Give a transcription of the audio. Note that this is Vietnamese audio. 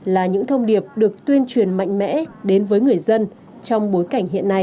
là những thông điệp được tuyên truyền mạnh mẽ đến với người dân trong bối cảnh hiện nay